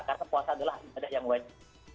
karena puasa adalah ibadah yang wajib